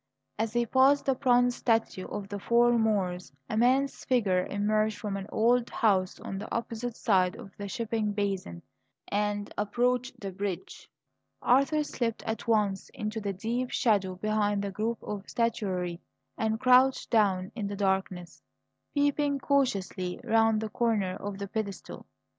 As he passed the bronze statue of the "Four Moors," a man's figure emerged from an old house on the opposite side of the shipping basin and approached the bridge. Arthur slipped at once into the deep shadow behind the group of statuary and crouched down in the darkness, peeping cautiously round the corner of the pedestal.